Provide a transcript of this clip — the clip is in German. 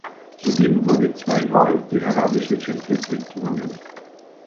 Zudem wurde zweimal die Arabische Champions League gewonnen.